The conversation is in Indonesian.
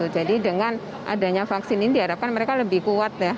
jadi dengan adanya vaksin ini diharapkan mereka lebih kuat ya